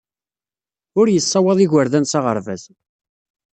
Ur yessawaḍ igerdan s aɣerbaz.